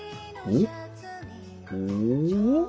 お？